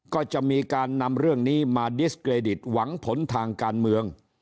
ก็จะมีการนำเรื่องนี้มาหวังผลทางการเมือง